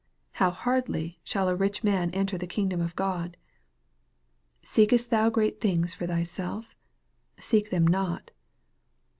How hardly shall a rich man en ter the kingdom of God. " Seekest thou great things for thyself? seek them not."